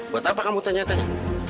buat apa kamu tanya tanya